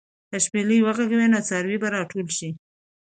که شپېلۍ وغږېږي، نو څاروي به راټول شي.